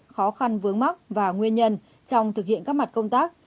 khó khăn vướng mắt và nguyên nhân trong thực hiện các mặt công tác